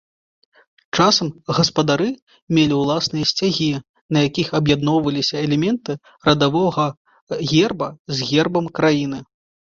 Часам, гаспадары мелі ўласныя сцягі, на якіх аб'ядноўваліся элементы радавога герба з гербам краіны.